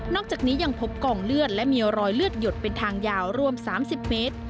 จากนี้ยังพบกองเลือดและมีรอยเลือดหยดเป็นทางยาวรวม๓๐เมตร